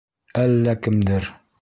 Әллә кемдер.